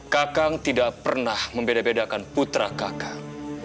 kakang tidak pernah membeda bedakan putra kakak